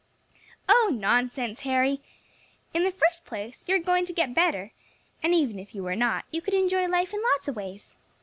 "Oh! nonsense, Harry. In the first place you are going to get better; and even if you were not, you could enjoy life in lots of ways.